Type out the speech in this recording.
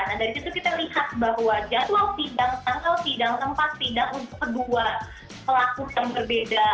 nah dari situ kita lihat bahwa jadwal sidang tanggal sidang tempat sidang untuk kedua pelaku yang berbeda